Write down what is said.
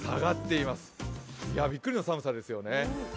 いや、びっくりの寒さですよね。